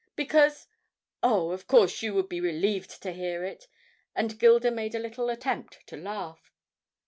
Because oh, of course you would be relieved to hear it!' and Gilda made a little attempt to laugh.